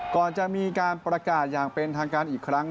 ก่อนจะมีการประกาศอย่างเป็นทางการอีกครั้ง